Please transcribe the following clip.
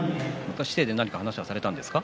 昨日、何か話はされたんですか。